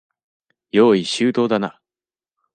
用意周到だな。